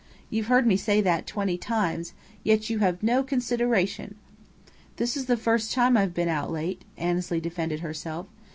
You've heard me say that twenty times, yet you have no consideration!" "This is the first time I've been out late," Annesley defended herself.